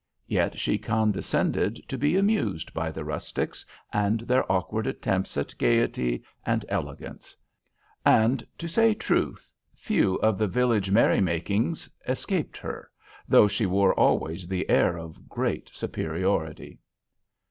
Yet she condescended to be amused by the rustics and their awkward attempts at gaiety and elegance; and, to say truth, few of the village merry makings escaped her, though she wore always the air of great superiority.